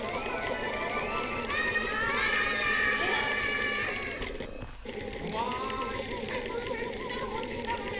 ワンワーン！わいっぱいふうせんみんながもってきたのね。